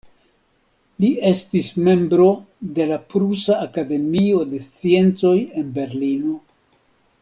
Li estis membro de la Prusa Akademio de Sciencoj en Berlino.